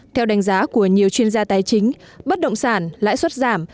theo đánh giá của nhiều chuyên gia tài chính bất động sản lãi suất giảm